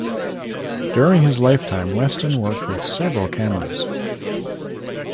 During his lifetime Weston worked with several cameras.